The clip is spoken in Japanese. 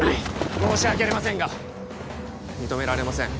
申し訳ありませんが認められません